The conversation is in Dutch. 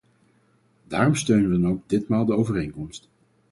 Daarom steunen we dan ook ditmaal de overeenkomst.